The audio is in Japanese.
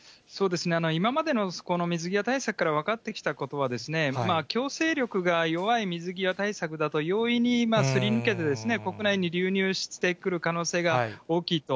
今までの水際対策から分かってきたことは、強制力が弱い水際対策だと、容易にすり抜けて、国内に流入してくる可能性が大きいと。